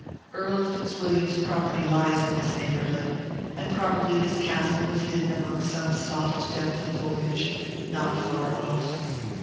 Earl Fitzwilliam's property lies in this neighborhood, and probably his castle was hidden among some soft depth of foliage not far off.